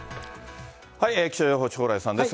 気象予報士、蓬莱さんです。